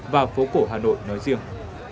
và phố cổ hà nội nói riêng